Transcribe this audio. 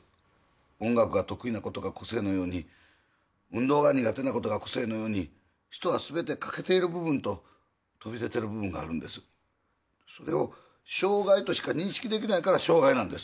音楽が得意だとか運動が苦手なのが個性のように人はすべて欠けている部分と飛び出ている部分があるんですそれを障害としか認識できないから障害なんです